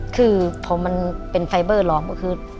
คือพอมันเป็นไฟเบอร์ล้อมก็คือ